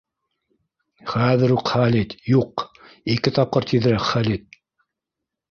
Хәҙер үк хәл ит —юҡ, ике тапҡыр тиҙерәк хәл ит!